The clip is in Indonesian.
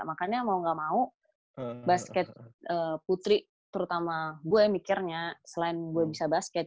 makanya mau gak mau basket putri terutama gue yang mikirnya selain gue bisa basket